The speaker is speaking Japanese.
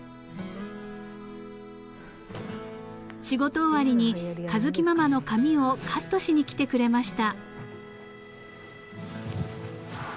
［仕事終わりに佳月ママの髪をカットしに来てくれました］